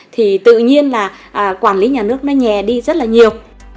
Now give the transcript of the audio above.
thì tự nhiên quản lý nhà nước nhè đi rất nhiều